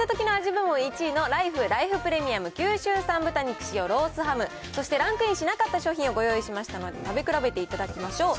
部門１位のライフライフプレミアム九州産豚肉使用ロースハム、そして、ランクインしなかった商品をご用意しましたので、食べ比べていただきましょう。